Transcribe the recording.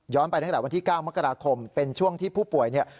ย้อนไปตั้งแต่วันที่๙มกราคมเป็นช่วงที่ผู้ป่วย